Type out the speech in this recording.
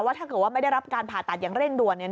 ถ้าเกิดว่าไม่ได้รับการผ่าตัดอย่างเร่งด่วนเนี่ย